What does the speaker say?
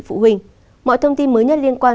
phụ huynh mọi thông tin mới nhất liên quan